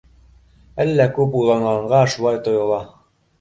Әллә күп уйланғанға шулай тойола.